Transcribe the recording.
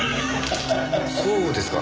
そうですか。